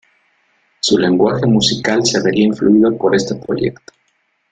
Su lenguaje musical se vería influido por este proyecto.